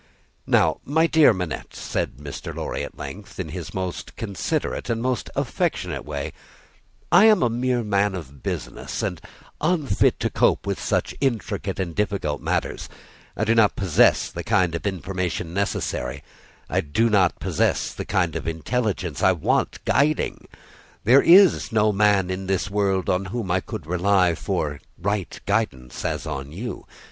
"Now, my dear Manette," said Mr. Lorry, at length, in his most considerate and most affectionate way, "I am a mere man of business, and unfit to cope with such intricate and difficult matters. I do not possess the kind of information necessary; I do not possess the kind of intelligence; I want guiding. There is no man in this world on whom I could so rely for right guidance, as on you.